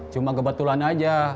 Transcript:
cuma kebetulan aja